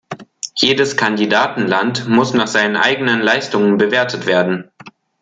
Jedes Kandidatenland muss nach seinen eigenen Leistungen bewertet werden.